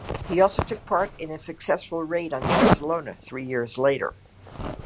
He also took part in a successful raid on Barcelona three years later.